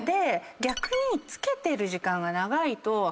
逆に付けてる時間が長いと。